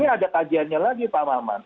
ini ada kajiannya lagi pak maman